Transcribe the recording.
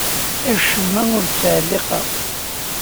Acemma ur t-ttɛelliqeɣ.